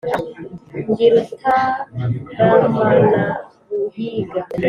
ndi rutaramanabguhiga.